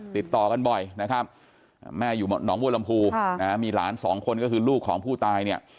ติดต่อกันบ่อยนะครับแม่อยู่หนองบัวลำพูมีหลานสองคนก็คือลูกของผู้ตายเนี่ย